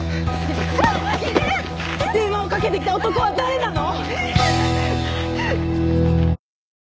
電話をかけてきた男は誰なの？